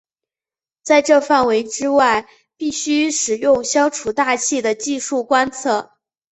在这范围之外必须使用消除大气的技术观测。